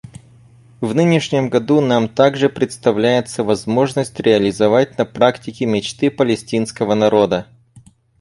В нынешнем году нам также предоставляется возможность реализовать на практике мечты палестинского народа.